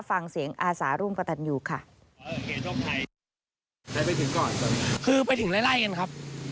ฟังเสียงอาศารุ่มกะตันอยู่ค่ะ